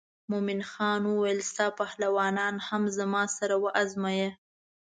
مومن خان وویل ستا پهلوانان هم زما سره وازمایه.